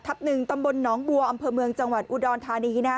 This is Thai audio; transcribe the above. ๑๒๘ทัพ๑ตำบลหนองบัวอำเภอเมืองจังหวัดฮูดอนธานีค่ะ